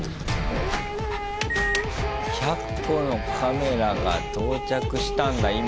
１００個のカメラが到着したんだ今。